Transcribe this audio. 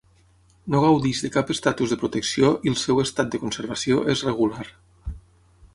No gaudeix de cap estatus de protecció i el seu estat de conservació és regular.